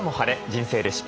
人生レシピ」。